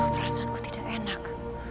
perasaanku tidak enak